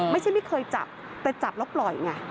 ไม่ใช่ไม่เคยจับแต่จับแล้วปล่อยไง